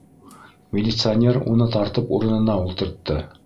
Милиционер уны тартып урынына ултыртты.